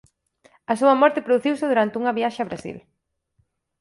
A súa morte produciuse durante unha viaxe a Brasil.